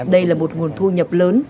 đây là một nguồn thu nhập lớn